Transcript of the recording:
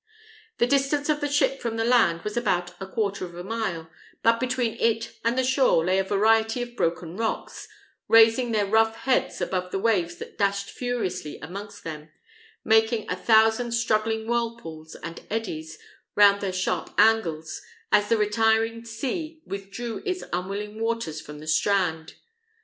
The distance of the ship from the land was about a quarter of a mile; but between it and the shore lay a variety of broken rocks, raising their rough heads above the waves that dashed furiously amongst them, making a thousand struggling whirlpools and eddies round their sharp angles, as the retiring sea withdrew its unwilling waters from the strand.